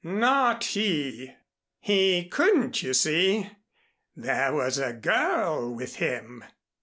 "Not he. He couldn't, you see. There was a girl with him."